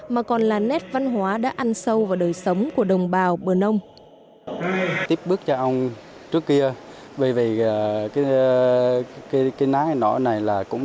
mà còn là nét văn hóa đã ăn sâu vào đời sống của đồng bào bờ nông